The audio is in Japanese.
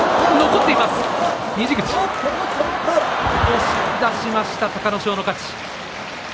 押し出しました隆の勝の勝ち。